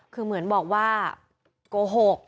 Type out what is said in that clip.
คือเหมือนบอกว่าโกหก